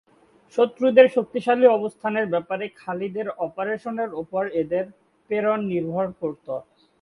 শত্রুদের শক্তিশালী অবস্থানের ব্যাপারে খালিদের অপারেশনের উপর এদের প্রেরণ নির্ভর করত।